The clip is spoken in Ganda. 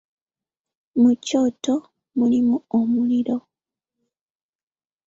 Mu kyoto mulimu omuliro.